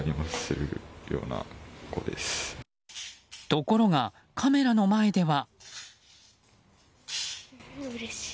ところがカメラの前では。